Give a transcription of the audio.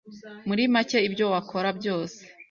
Muri make ibyo wakora byose